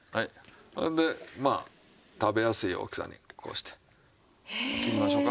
でまあ食べやすい大きさにこうして切りましょうか。